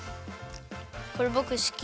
これぼくすき！